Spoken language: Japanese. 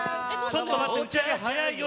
ちょっと待って打ち上げ早いよ